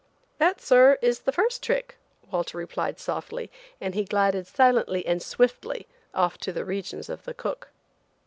"That, sir, is the first trick," Walter replied softly, and he glided silently and swiftly off to the regions of the cook.